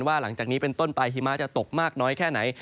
หลังจากนี้เป็นต้นไปหิมะจะตกมากน้อยแค่ไหน